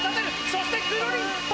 そしてくるりんぱ！